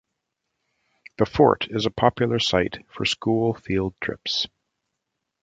The fort is a popular site for school field trips.